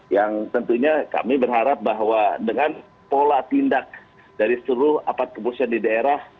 yang tentunya kami berharap bahwa dengan pola tindak dari seluruh aparat kepolisian di daerah